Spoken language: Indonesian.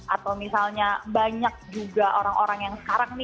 atau misalnya banyak juga orang orang yang sekarang nih